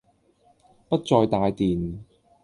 不再帶電